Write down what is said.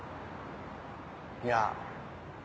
いや。